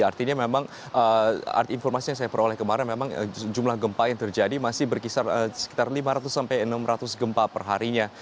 artinya memang informasi yang saya peroleh kemarin memang jumlah gempa yang terjadi masih berkisar sekitar lima ratus sampai enam ratus gempa perharinya